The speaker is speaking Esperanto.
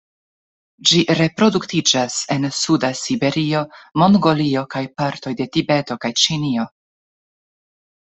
Ĝi reproduktiĝas en suda Siberio, Mongolio kaj partoj de Tibeto kaj Ĉinio.